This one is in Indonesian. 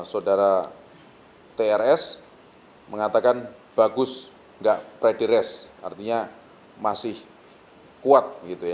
saudara trs mengatakan bagus nggak prederes artinya masih kuat